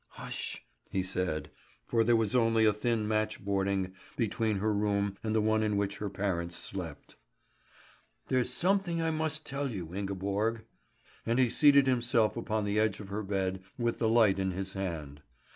"Hush!" he said, for there was only a thin match boarding between her room and the one in which her parents slept. "There's something I must tell you, Ingeborg." And he seated himself upon the edge of her bed with the light in his hand.